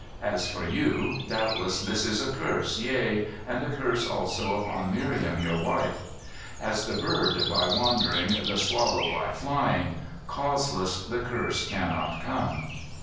As for you, doubtless this is a curse, yea, and a curse also upon Miriam, your wife. 'As the bird by wandering, the swallow by flying, causeless the curse cannot come.